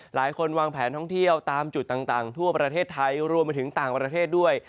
หลายคนวางแผนท่องเที่ยวตามจุดต่างทั่วประเทศไทยรวมไปถึงต่างประเทศด้วย